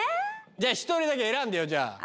じゃあ１人だけ選んでよじゃあ。